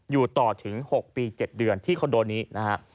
อยู่ต่อถึง๖ปี๗เดือนที่คอนโดนี้นะฮะ